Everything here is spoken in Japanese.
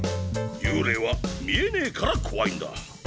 幽霊は見えねぇから怖いんだ。